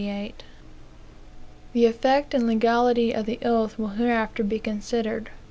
The effect and legality of this oath will hereafter be considered.